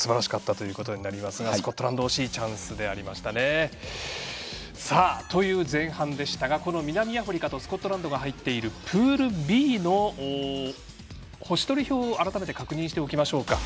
これもすばらしかったということになりますがスコットランドは惜しいチャンスでしたね。という前半でしたが南アフリカとスコットランドが入っているプールＢの星取り表を改めて確認しておきましょう。